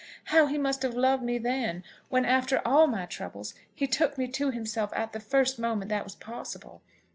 How he must have loved me then, when, after all my troubles, he took me to himself at the first moment that was possible!